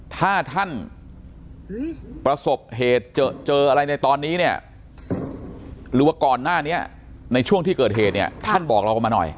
ถ้าท่านประสบเหตุเจออะไรในตอนนี้เนี่ยหรือว่าก่อนหน้านี้ในช่วงที่เกิดเหตุเนี่ยท่านบอกเราก็มาหน่อย